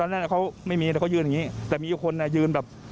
ก็คือตอนนั้นเขาไม่มีอะไรเขายื่นแบบนี้แต่มีอยู่คนอะยืนแบบ